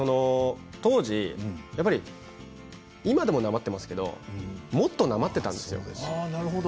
当時、今でもなまってますけどもっとなまっていたんですよ。